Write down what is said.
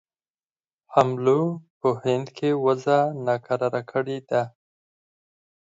حملو په هند کې وضع ناکراره کړې ده.